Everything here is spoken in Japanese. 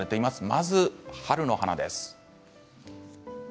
まず春の花です。